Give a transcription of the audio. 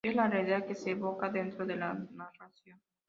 Es la realidad que se evoca dentro de la narración.